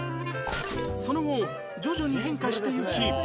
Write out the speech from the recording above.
その後徐々に変化していき